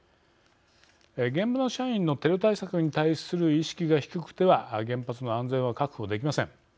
現場の社員のテロ対策に対する意識が低くては原発の安全は確保できません。